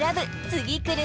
次くる